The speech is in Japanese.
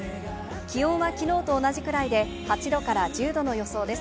気温は昨日と同じくらいで８度から１０度の予想です。